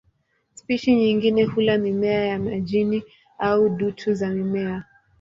Spishi nyingine hula mimea ya majini au dutu za mimea.